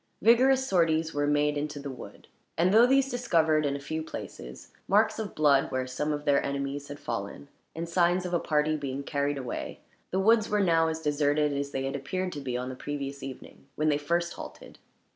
Vigorous sorties were made into the wood; and though these discovered, in a few places, marks of blood where some of their enemies had fallen, and signs of a party being carried away, the woods were now as deserted as they had appeared to be on the previous evening, when they first halted.